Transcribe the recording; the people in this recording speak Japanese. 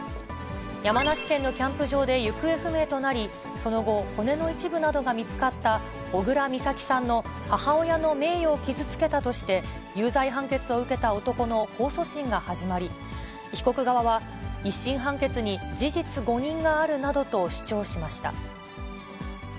山梨県のキャンプ場で行方不明となり、その後、骨の一部などが見つかった小倉美咲さんの母親の名誉を傷つけたとして、有罪判決を受けた男の控訴審が始まり、被告側は、１審判決に事実誤認があるなどと主張しました。